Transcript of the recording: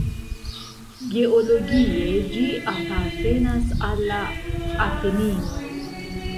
Geologie ĝi apartenas al la Apeninoj.